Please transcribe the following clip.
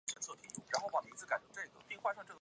傅怡的最高职务是浙江省军区司令员。